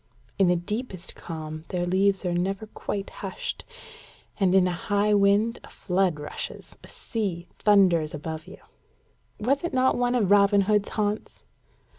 In the deepest calm their leaves are never quite hushed, and in a high wind a flood rushes a sea thunders above you." "Was it not one of Robin Hood's haunts?"